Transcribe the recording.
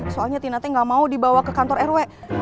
soalnya tina gak mau dibawa ke kantor rw